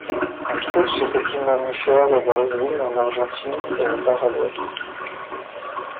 On trouve ce petit mammifère au Brésil, en Argentine et au Paraguay.